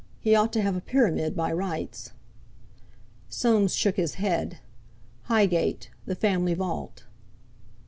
He ought to have a pyramid by rights." Soames shook his head. "Highgate, the family vault."